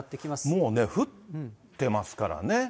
もうね、降ってますからね。